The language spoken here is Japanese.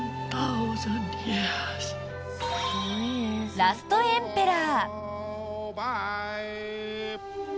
「ラストエンペラー」。